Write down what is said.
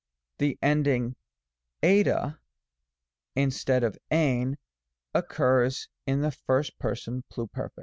The ending t} instead of 8t.v occurs in the 1st Person Pluperf.